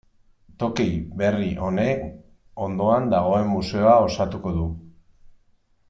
Toki berri honek ondoan dagoen museoa osatuko du.